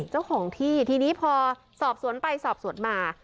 เจ้าของที่ทีนี้พอสอบสวนไปสอบสวนมา